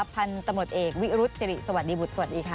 พันธุ์ตำรวจเอกวิรุษศิริสวัสดีบุตรสวัสดีค่ะ